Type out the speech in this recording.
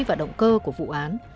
và động cơ của vụ án